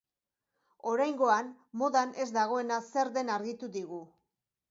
Oraingoan modan ez dagoena zer den argitu digu.